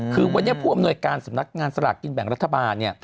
คือวันนี้ผู้อำนวยการสำนักงานสลากกินแบ่งรัฐบาล